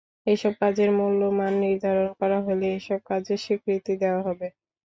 এসব কাজের মূল্যমান নির্ধারণ করা হলে এসব কাজের স্বীকৃতি দেওয়া হবে।